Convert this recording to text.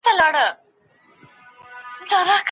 د تحقيق پرته پرېکړه کول مو خامخا پښېمانوي.